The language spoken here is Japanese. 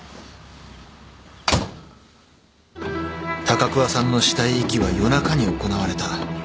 高桑さんの死体遺棄は夜中に行われた。